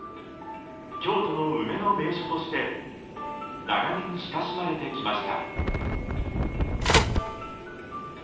京都の梅の名所として長年、親しまれてきました。